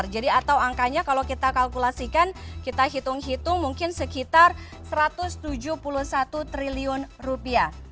jadi atau angkanya kalau kita kalkulasikan kita hitung hitung mungkin sekitar satu ratus tujuh puluh satu triliun rupiah